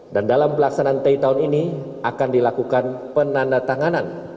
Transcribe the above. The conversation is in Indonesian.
dan dalam pelaksanaan tei tahun ini akan dilakukan penanda tanganan